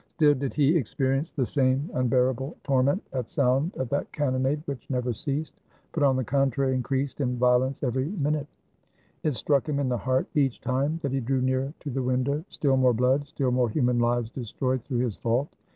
Still did he experience the same unbearable torment at sound of that cannonade which never ceased, but on the contrary increased in violence every minute. It struck him in the heart each time that he drew near to the window. Still more blood, still more human lives destroyed through his fault!